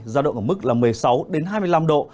giao độ có mức là một mươi sáu hai mươi năm độ